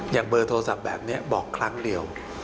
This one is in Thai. เบอร์โทรศัพท์แบบนี้บอกครั้งเดียว